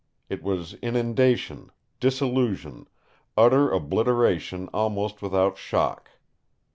It was inundation, dissolution, utter obliteration almost without shock.